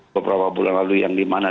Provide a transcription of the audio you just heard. beberapa bulan lalu yang dimana